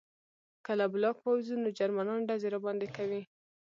که له بلاک ووځو نو جرمنان ډزې راباندې کوي